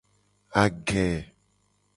Age.